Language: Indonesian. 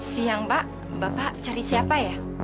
siang pak bapak cari siapa ya